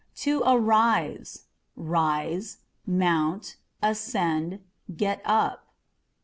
To Arise â€" rise, mount, ascend, get up.